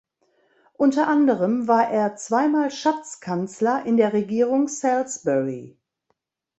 Unter anderem war er zweimal Schatzkanzler in der Regierung Salisbury.